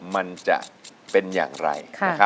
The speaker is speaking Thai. มันจะเป็นอย่างไร